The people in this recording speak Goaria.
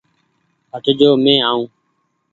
هٽ جو مينٚ آئونٚ